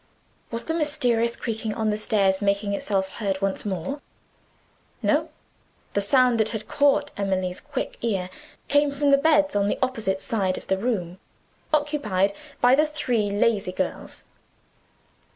Was the mysterious creaking on the stairs making itself heard once more? No. The sound that had caught Emily's quick ear came from the beds, on the opposite side of the room, occupied by the three lazy girls.